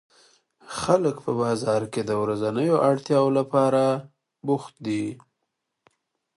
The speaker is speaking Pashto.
خلک په بازار کې د ورځنیو اړتیاوو لپاره بوخت دي